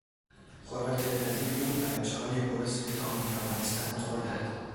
خوراک دلپذیر بود و بچههای گرسنه تا میتوانستند خوردند.